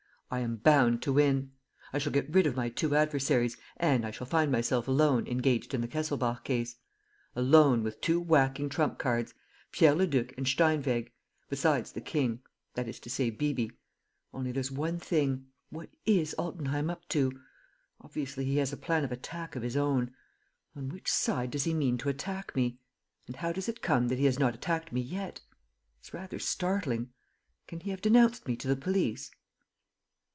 I am bound to win. I shall get rid of my two adversaries and I shall find myself alone engaged in the Kesselbach case ... alone, with two whacking trump cards: Pierre Leduc and Steinweg. ... Besides the king ... that is to say, Bibi. Only, there's one thing: what is Altenheim up to? Obviously, he has a plan of attack of his own. On which side does he mean to attack me? And how does it come that he has not attacked me yet? It's rather startling. Can he have denounced me to the police?"